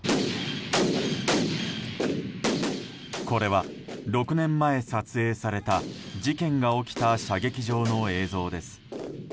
これは６年前、撮影された事件が起きた射撃場の映像です。